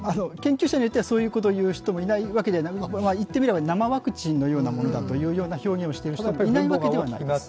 研究者によってはそういうことを言う人もいないわけではない、言ってみれば、生ワクチンのような表現をしている人もいないわけではない。